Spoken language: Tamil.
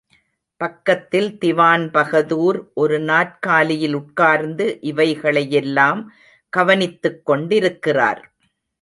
பக்கத்தில் திவான்பகதூர் ஒரு நாற்காலியில் உட்கார்ந்து இவைகளை யெல்லாம் கவனித்துக் கொண்டிருக்கிறார்.